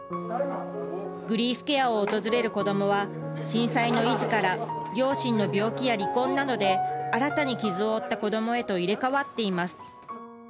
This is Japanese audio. グリーフケアを訪れる子供は震災の遺児から、両親の病気や離婚などで新たに傷を負った子供へと入れ代わっています。